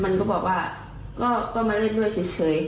หนูก็บอกว่ามาทำไมมันก็บอกว่าก็มาเล่นด้วยเฉย